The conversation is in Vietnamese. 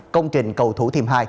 công trình cầu thủ thiêm hai